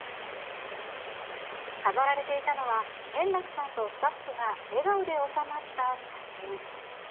飾られていたのは、円楽さんとスタッフが笑顔で収まった写真。